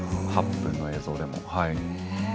８分の映画でも。